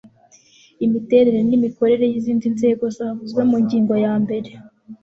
imiterere n imikorere y izindi nzego zavuzwe mu ngingo ya mbere